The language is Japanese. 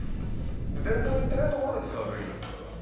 電線の行ってない所で使うべきなのそれは。